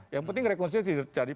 yang penting rekonsiliasi terjadi